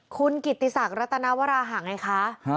คุณกิติศักดิรัตนวราหะไงคะ